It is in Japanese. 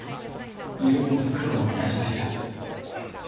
いろいろと苦労を致しました。